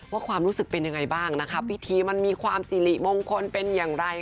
ความรู้สึกเป็นยังไงบ้างนะคะพิธีมันมีความสิริมงคลเป็นอย่างไร